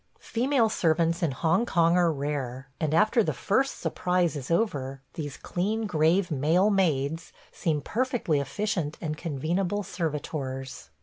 Female servants in Hong Kong are rare; and after the first surprise is over these clean, grave male maids seem perfectly efficient and convenable servitors.